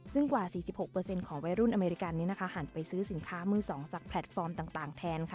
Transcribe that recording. ซึ่งกว่า๔๖ของวัยรุ่นอเมริกันหันไปซื้อสินค้ามือ๒จากแพลตฟอร์มต่างแทน